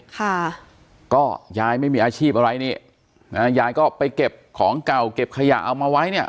ค่ะก็ยายไม่มีอาชีพอะไรนี่นะฮะยายก็ไปเก็บของเก่าเก็บขยะเอามาไว้เนี่ย